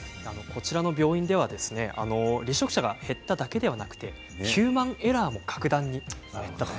こちらの病院では離職者が減っただけではなくてヒューマンエラーも格段に減ったと。